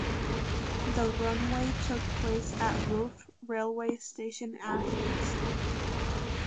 The runway took place at Rouf railway station in Athens.